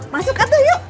masuklah tuh yuk